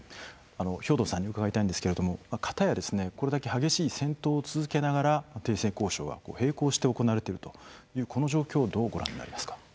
兵頭さんに伺いたいんですけれどもかたやこれだけ激しい戦闘を続けながら停戦交渉が並行して行われているというこの状況をどうご覧になりますか？